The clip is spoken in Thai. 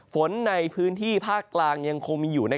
ฝนในพื้นที่ภาคกลางยังคงมีอยู่